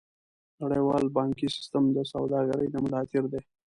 نړیوال بانکي سیستم د سوداګرۍ د ملا تیر دی.